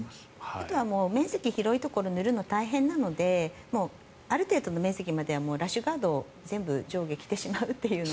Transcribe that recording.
あとは面積が広いところを塗るのは大変なのである程度の面積まではラッシュガードを上下着てしまうというのも。